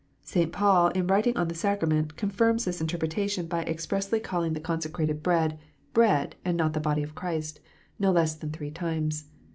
St. Paul, in writing on the sacrament, confirms this interpretation by expressly calling the 206 KNOTS UNTIED. consecrated bread, " bread," and not the body of Christ, no less than three times.